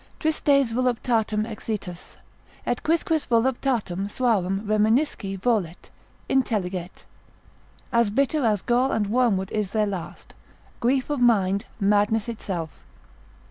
Tristes voluptatum exitus, et quisquis voluptatum suarum reminisci volet, intelliget, as bitter as gall and wormwood is their last; grief of mind, madness itself.